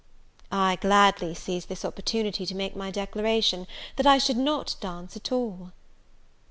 I gladly seized this opportunity to make my declaration, that I should not dance at all.